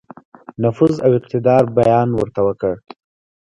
نفوذ او اقتدار بیان ورته وکړ.